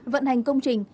vận hành công trình